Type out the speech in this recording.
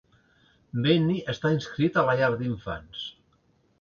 Benny està inscrit a la llar d'infants.